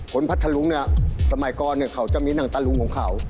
คนพัฒน์ทะลุงสมัยก่อนเขาจะมีหนังตะลุงของเขา